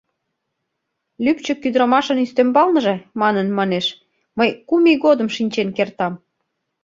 — Лӱпчык ӱдырамашын ӱстембалныже, манын манеш, мый кум ий годым шинчен кертам.